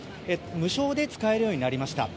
無償で使えるようになりました。